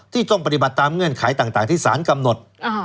ต้องปฏิบัติตามเงื่อนไขต่างที่สารกำหนด